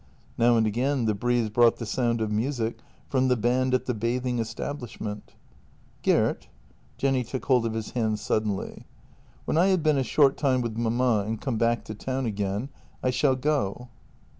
Now and again the breeze brought the sound of music from the band at the bathing establishment. " Gert "— Jenny took hold of his hand suddenly — "when I have been a short time with mamma and come back to town again, I shall go."